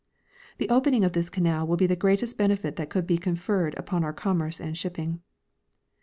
The opening of this canal will be the greatest benefit that could be conferred ujion our commerce and shipping.